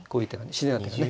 自然な手がね。